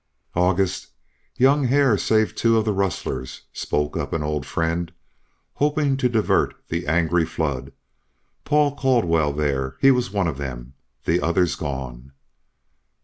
"August, young Hare saved two of the rustlers," spoke up an old friend, hoping to divert the angry flood. "Paul Caldwell there, he was one of them. The other's gone."